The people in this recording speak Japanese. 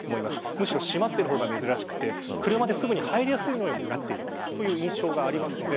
むしろ閉まっている方が珍しくて車ですぐに入りやすいようになっているという印象があるので